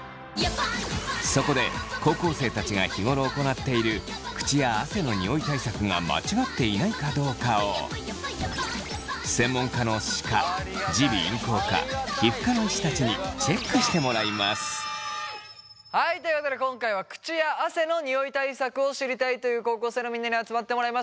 そこで高校生たちが日頃行っている口や汗のニオイ対策が間違っていないかどうかを専門家の歯科耳鼻咽喉科皮膚科の医師たちにはいということで今回は口や汗のニオイ対策を知りたいという高校生のみんなに集まってもらいました。